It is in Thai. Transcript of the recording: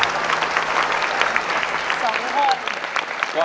สวัสดีครับ